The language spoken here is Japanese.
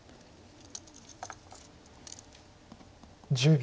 １０秒。